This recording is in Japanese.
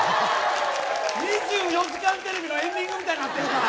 「２４時間テレビ」のエンディングみたいになってるから。